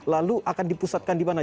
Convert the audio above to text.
lalu akan dipusatkan di mana